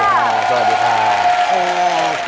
สวัสดีค่ะ